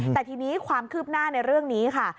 แต่ทีนี้ความคืบหน้าในเรื่องนี้ค่ะ